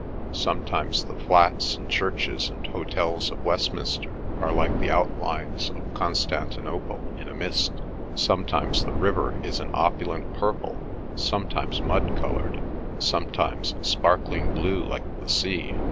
Sometimes the flats and churches and hotels of Westminster are like the outlines of Constantinople in a mist; sometimes the river is an opulent purple, sometimes mud coloured, sometimes sparkling blue like the sea.